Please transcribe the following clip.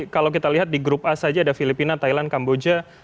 kalau kita lihat di grup a saja ada filipina thailand kamboja